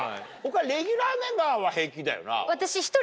レギュラーメンバーは平気だよな？